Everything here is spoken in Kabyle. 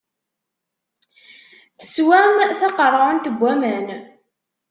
Teswam taqeṛɛunt n waman.